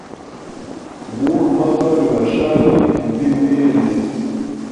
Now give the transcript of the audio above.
Gula magani gashali gubiye mu yende.